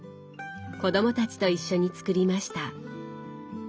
子どもたちと一緒に作りました。